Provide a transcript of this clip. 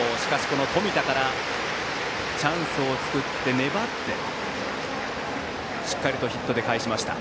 この冨田からチャンスを作って粘ってしっかりとヒットで返しました。